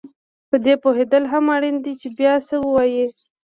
په دې پوهېدل هم اړین دي چې باید څه ووایې